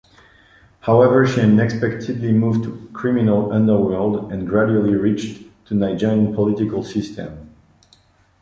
However she unexpectedly moved to criminal underworld and gradually reached to Nigerian political system.